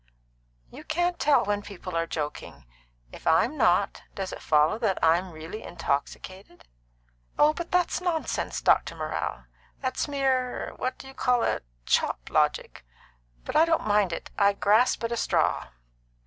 "You can't tell when people are joking. If I'm not, does it follow that I'm really intoxicated?" "Oh, but that's nonsense, Dr. Morrell. That's mere what do you call it? chop logic. But I don't mind it. I grasp at a straw."